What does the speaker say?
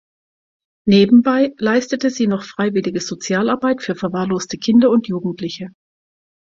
Nebenbei leistete sie noch freiwillige Sozialarbeit für verwahrloste Kinder und Jugendliche.